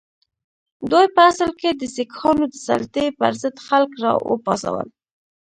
دوی په اصل کې د سیکهانو د سلطې پر ضد خلک را وپاڅول.